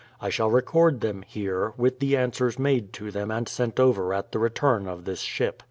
I shall record them here, with the answers made to them and sent over at the return of this ship.